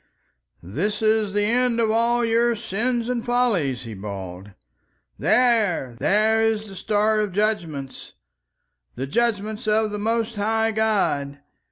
"There is the end of all your Sins and Follies," he bawled. "There! There is the Star of Judgments, the Judgments of the most High God!